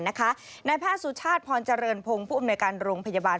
นายแพทย์สุชาติพรเจริญพงศ์ผู้อำนวยการโรงพยาบาล